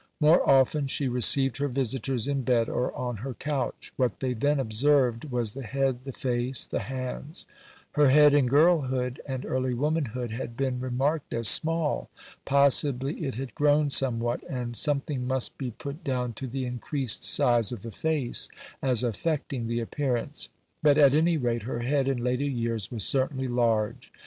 More often she received her visitors in bed or on her couch. What they then observed was the head, the face, the hands. Her head, in girlhood and early womanhood, had been remarked as small. Possibly it had grown somewhat, and something must be put down to the increased size of the face as affecting the appearance; but at any rate her head in later years was certainly large.